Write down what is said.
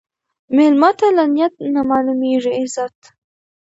مېلمه ته له نیت نه معلومېږي عزت.